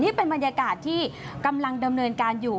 นี่เป็นบรรยากาศที่กำลังดำเนินการอยู่